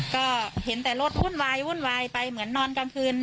ก็เห็นแต่รถวุ่นวายวุ่นวายไปเหมือนนอนกลางคืน